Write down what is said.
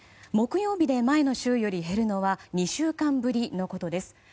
木曜日で前の週より減るのは２週間ぶりのことです。